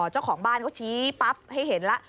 เจ้าของบ้านเขาชี้ปั๊บให้เห็นแล้ว